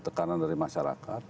tekanan dari masyarakat